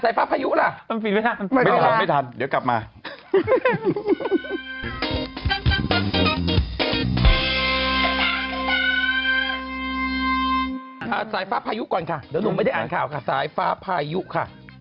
สายฟ้าพายุก่อนค่ะเดี๋ยวหนุ่มไม่ได้อ่านข่าวค่ะสายฟ้าพายุค่ะ